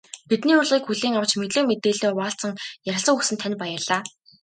Бидний урилгыг хүлээн авч, мэдлэг мэдээллээ хуваалцан ярилцлага өгсөн танд баярлалаа.